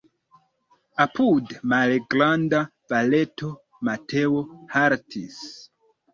Apud malgranda valeto Mateo haltis.